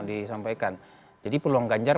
disampaikan jadi peluang ganjar